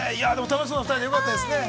楽しそうな２人でよかったですね。